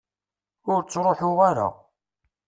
Ur ttruḥuɣ ara.